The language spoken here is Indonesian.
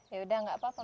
ya udah nggak apa apa